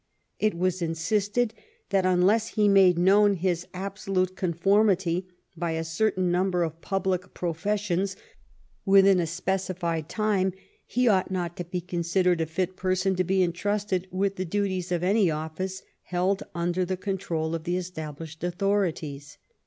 It was in sisted that unless he made known his absolute con formity by a certain number of public professions within a specified time, he ought not to be considered a fit person to be intrusted with the duties of any office held under the control of the established authorities.